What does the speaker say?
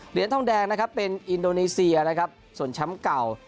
เหรียญทองแดงนะครับเป็นอินโดนีเซียนะครับส่วนแชมป์เก่า